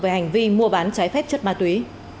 về hành vi mua bán trái phép chất ma túy